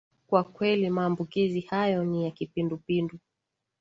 kwa kweli maambukizi hayo ni ya kipindupindu